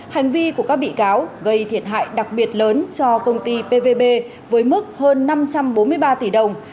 hành vi của các bị cáo gây thiệt hại đặc biệt lớn cho công ty pvb với mức hơn năm trăm bốn mươi ba tỷ đồng